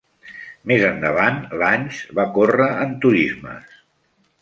Més endavant, Langes va córrer en turismes.